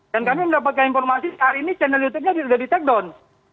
dan kami mendapatkan informasi hari ini channel youtubenya sudah di take down